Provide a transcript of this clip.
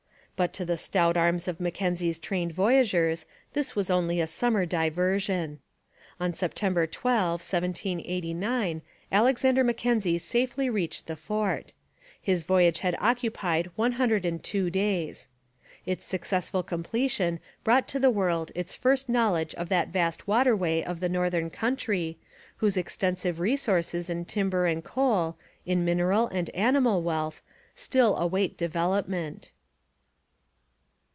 But to the stout arms of Mackenzie's trained voyageurs this was only a summer diversion. On September 12, 1789, Alexander Mackenzie safely reached the fort. His voyage had occupied one hundred and two days. Its successful completion brought to the world its first knowledge of that vast waterway of the northern country, whose extensive resources in timber and coal, in mineral and animal wealth, still await development.